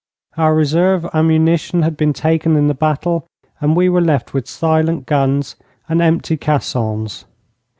Our reserve ammunition had been taken in the battle, and we were left with silent guns and empty caissons.